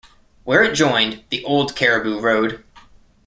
Where it joined the old cariboo road.